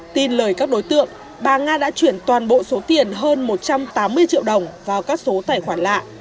tin lời các đối tượng bà nga đã chuyển toàn bộ số tiền hơn một trăm tám mươi triệu đồng vào các số tài khoản lạ